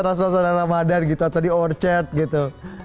rasad rasad ramadhan gitu atau di orchard gitu